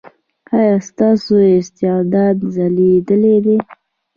ایا ستاسو استعداد ځلیدلی دی؟